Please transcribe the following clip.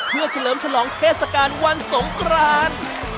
เพื่อเฉลิมฉลองเทศกาลวันสงกราน